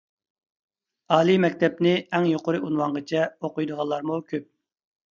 ئالىي مەكتەپنى ئەڭ يۇقىرى ئۇنۋانغىچە ئوقۇيدىغانلارمۇ كۆپ.